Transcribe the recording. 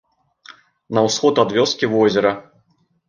На ўсход ад вёскі возера.